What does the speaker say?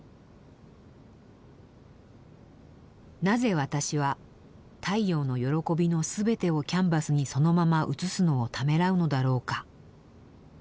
「なぜ私は太陽の喜びの全てをキャンバスにそのままうつすのをためらうのだろうか？」。